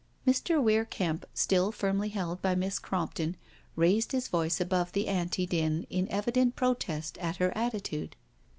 Mr. Weir Kemp, still firmly held by Miss Crompton, raised his voice above the Anti din in evident pro* test at her attitude.